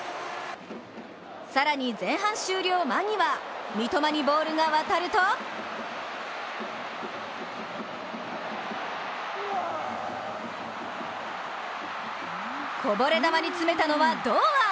更に前半終了間際、三笘にボールが渡るとこぼれ球に詰めたのは堂安。